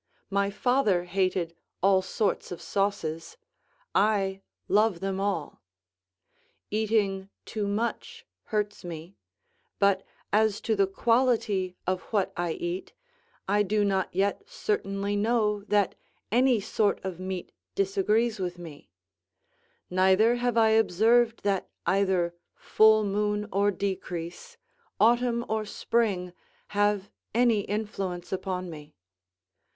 My father hated all sorts of sauces; I love them all. Eating too much hurts me; but, as to the quality of what I eat, I do not yet certainly know that any sort of meat disagrees with me; neither have I observed that either full moon or decrease, autumn or spring, have any influence upon me.